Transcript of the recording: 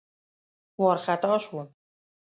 وارخطا شوم.